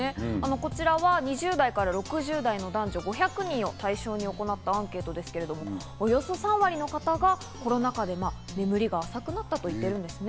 こちらは２０代から６０代の男女５００人を対象に行ったアンケートなんですけれど、およそ３割の方がコロナ禍で眠りが浅くなったというんですね。